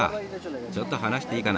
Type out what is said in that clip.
ちょっと話していいかな？